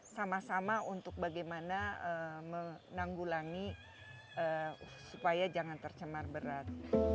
sama sama untuk bagaimana menanggulangi supaya jangan tercemar berat